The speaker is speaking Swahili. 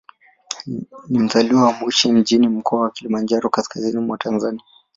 Ni mzaliwa wa Moshi mjini, Mkoa wa Kilimanjaro, kaskazini mwa Tanzania.